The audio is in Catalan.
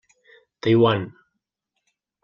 Taiwan.